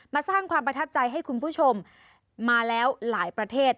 สร้างความประทับใจให้คุณผู้ชมมาแล้วหลายประเทศ